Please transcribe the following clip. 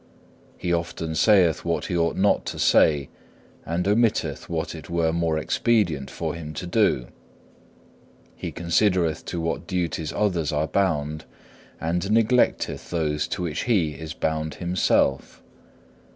He often saith what he ought not to say, and omitteth what it were more expedient for him to do. He considereth to what duties others are bound, and neglecteth those to which he is bound himself.